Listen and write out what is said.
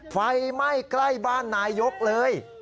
ไฟไหม้ใกล้บ้านนายกเลย